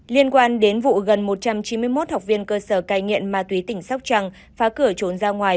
liên quan đến vụ gần một trăm chín mươi một học viên cơ sở cai nghiện ma túy tỉnh sóc trăng phá cửa trốn ra ngoài